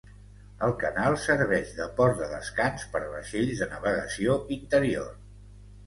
El canal serveix de port de descans per vaixells de navegació interior.